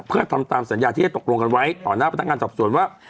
เพื่อทำตามสัญญาที่จะตกลงกันไว้ต่อหน้าพนักงานสอบสวนว่า